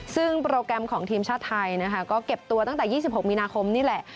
ซึ่งโปรแกรมของทีมชาติไทยนะคะก็เก็บตัวตั้งแต่๒๖มีนาคมนี่แหละ